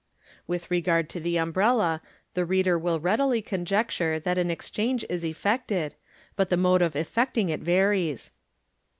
With regard to the umbrella, the reader will readily conjecture that an exchange is effected, but the mode of effecting it varies.